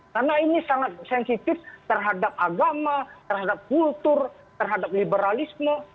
karena ini sangat sensitif terhadap agama terhadap kultur terhadap liberalisme